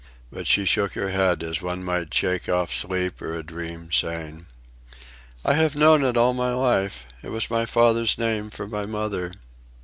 But she shook her head, as one might shake off sleep or a dream, saying: "I have known it all my life. It was my father's name for my mother."